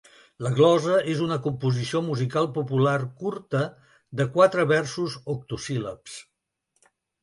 La glosa és una composició musical popular curta de quatre versos octosíl·labs.